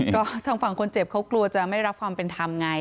ก็ทางฝั่งคนเจ็บเขากลัวจะไม่รับความเป็นธรรมไง